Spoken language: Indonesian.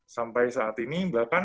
sampai saat ini bahkan kalau mereka tahu